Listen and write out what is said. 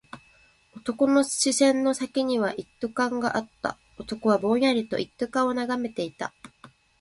男の視線の先には一斗缶があった。男はぼんやりと一斗缶を眺めていた。